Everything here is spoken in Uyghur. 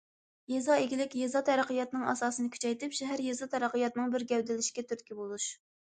يېزا ئىگىلىك، يېزا تەرەققىياتىنىڭ ئاساسىنى كۈچەيتىپ، شەھەر يېزا تەرەققىياتىنىڭ بىر گەۋدىلىشىشىگە تۈرتكە بولۇش.